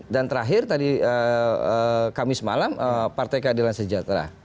dan terakhir tadi kamis malam partai keadilan sejahtera